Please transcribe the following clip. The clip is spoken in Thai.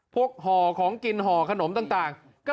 พวกห่อของกินห่อกระหนมต่าง